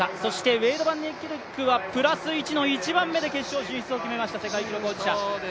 ウェイド・バンニーキルクはプラス１の１番目で決勝進出を決めました、世界記録保持者。